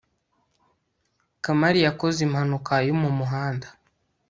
kamari yakoze impanuka yo mu muhanda